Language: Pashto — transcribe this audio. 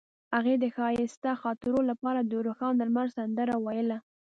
هغې د ښایسته خاطرو لپاره د روښانه لمر سندره ویله.